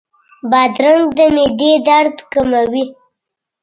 بادرنګ د معدې درد کموي.